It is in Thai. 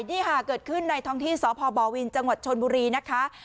นี่ค่ะเกิดขึ้นในท้องที่สพบวินจังหวัดชนบุรีนะคะ